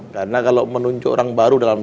karena kalau menunjuk orang baru dalam